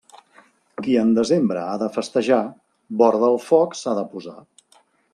Qui en desembre ha de festejar, vora del foc s'ha de posar.